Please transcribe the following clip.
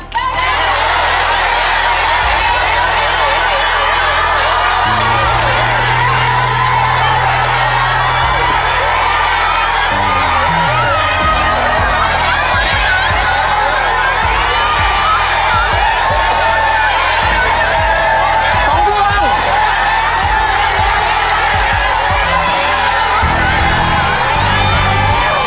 ๒พวง